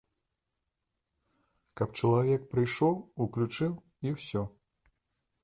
Каб чалавек прыйшоў, уключыў, і ўсё.